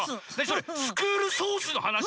それ「スクールソース」のはなし？